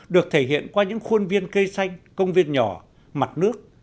được thể hiện qua những khuôn viên cây xanh công viên nhỏ mặt nước